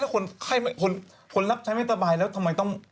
คนรับใช้ไม่ตะแบบอะไรต้อง